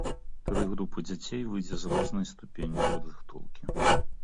Тры групы дзяцей выйдзе з рознай ступенню падрыхтоўкі.